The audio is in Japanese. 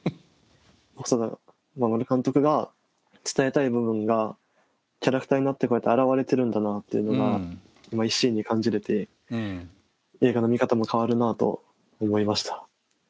細田守監督が伝えたい部分がキャラクターになってこうやって現れてるんだなっていうのが一心に感じれて映画の見方も変わるなと思いました。